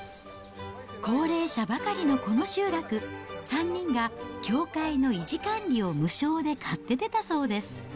高齢者ばかりのこの集落、３人が教会の維持管理を無償で買って出たそうです。